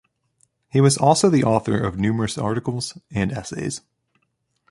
He was also the author of numerous articles and essays.